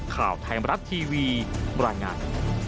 ข่าวไทยมรัฐทีวีบรรยายงาน